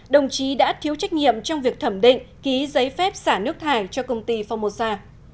đồng chí đã thiếu trách nhiệm trong việc thẩm định ký giấy phép xả nước thải cho công ty phongmosa